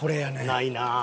ないなあ。